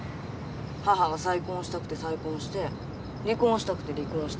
母が再婚したくて再婚して離婚したくて離婚したんだから。